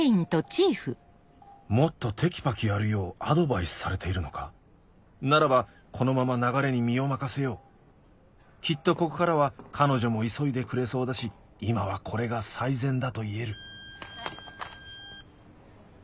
もっとテキパキやるようアドバイスされているのかならばこのまま流れに身を任せようきっとここからは彼女も急いでくれそうだし今はこれが最善だといえるあれ。